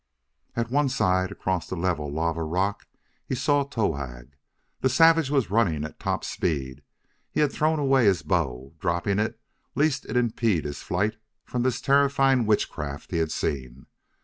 At one side, across the level lava rock he saw Towahg. The savage was running at top speed. He had thrown away his bow, dropping it lest it impede his flight from this terrifying witchcraft he had seen.